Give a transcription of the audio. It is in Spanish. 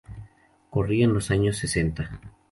Corrían los años sesenta.